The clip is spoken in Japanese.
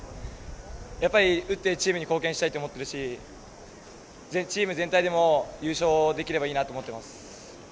やっぱり打ってチームに貢献したいと思ってるし、チーム全体でも優勝できればいいなと思っています。